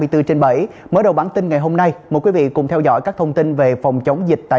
hai mươi bốn h trên bảy ngay sau đây